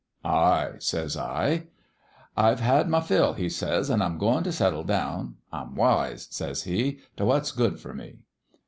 "' Ay,' says I. "' I've had my fill,' says he, ' an' I'm goin' t' settle down. I'm wise,' says he, * t' what's good for me.'